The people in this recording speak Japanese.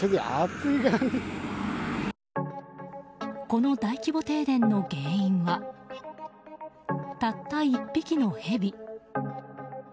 この大規模停電の原因はたった１匹のヘビ。